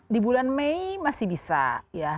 di bulan mei masih bisa ya